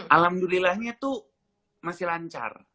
alhamdulillahnya tuh masih lancar